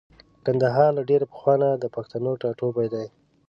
کندهار له ډېرې پخوانه د پښتنو ټاټوبی دی.